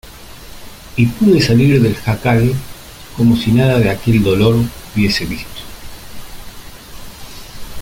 y pude salir del jacal como si nada de aquel dolor hubiese visto.